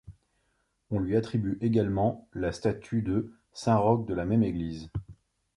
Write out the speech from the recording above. On lui attribue également la statue de Saint-Roch de la même église.